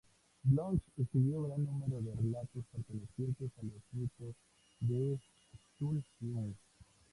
Bloch escribió gran número de relatos pertenecientes a los Mitos de Cthulhu.